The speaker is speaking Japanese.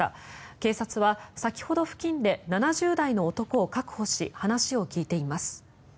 警察は先ほど付近で７０代の男を確保し話を聞いています。